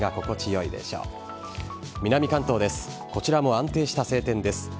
こちらも安定した晴天です。